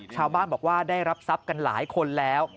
ชาวบ้านบอกว่าได้รับทรัพย์กันหลายคนแล้ว